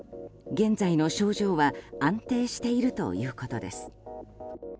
現在の症状は安定しているということです。